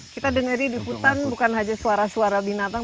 kita dengarnya di hutan bukan hanya suara suara binatang